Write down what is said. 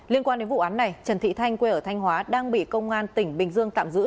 liên quan đến vụ án này trần thị thanh quê ở thanh hóa đang bị công an tỉnh bình dương tạm giữ